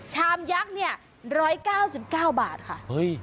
ชามยักษ์เนี่ย๑๙๙บาทค่ะ